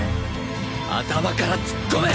頭から突っ込め！